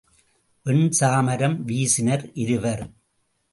வெண்சாமரம் வீசினர் இருவர்.